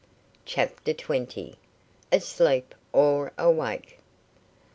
CHAPTER TWENTY. ASLEEP OR AWAKE?